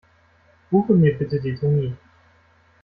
Buche mir bitten den Termin.